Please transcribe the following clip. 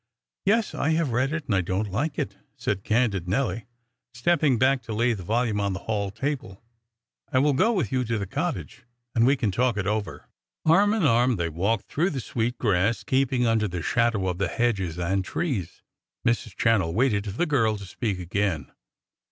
"Yes. I have read it, and I don't like it," said candid Nelly, stepping back to lay the volume on the hall table. "I will go with you to the cottage, and we can talk it over." Arm in arm they walked through the sweet grass, keeping under the shadow of the hedges and trees. Mrs. Channell waited for the girl to speak again.